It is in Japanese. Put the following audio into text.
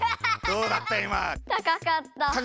どうだった？